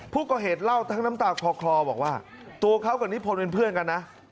ผู้ก่อเหตุเล่าทั้งน้ำตาคลอบอกว่าตัวเขากับนิพนธ์เป็นเพื่อนกันนะ